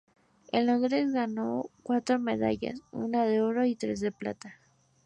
En Londres, ganó cuatro medallas: una de oro y tres de plata.